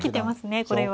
これは。